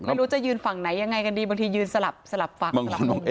ไม่รู้จะยืนฝั่งไหนยังไงกันดีบางทียืนสลับฝั่ง